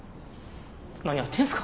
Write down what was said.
何やってんすか？